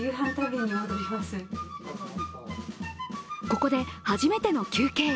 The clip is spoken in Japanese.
ここで初めての休憩。